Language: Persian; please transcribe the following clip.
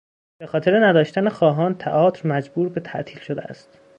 به خاطر نداشتن خواهان، تئاتر مجبور به تعطیل شده است.